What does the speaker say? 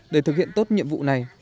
để thực hiện tốt nhiệm vụ này